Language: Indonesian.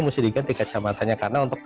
ini mesti diganti kecamatannya